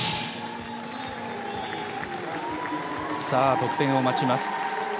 さあ、得点を待ちます。